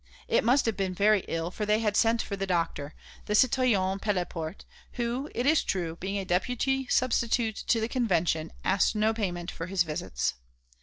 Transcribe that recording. It must have been very ill, for they had sent for the doctor, the citoyen Pelleport, who, it is true, being a deputy substitute to the Convention, asked no payment for his visits.